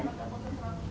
terus apa ibu